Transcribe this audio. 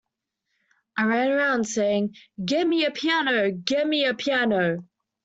I ran around saying 'Get me a piano, get me a piano!